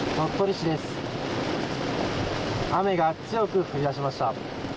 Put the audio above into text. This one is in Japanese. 雨が強く降りだしました。